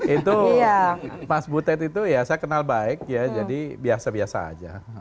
itu mas butet itu ya saya kenal baik ya jadi biasa biasa aja